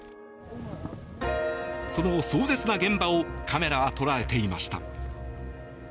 その壮絶な現場をカメラは捉えていました。